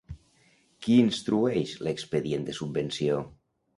Qui instrueix l'expedient de subvenció?